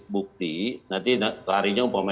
bukti nanti larinya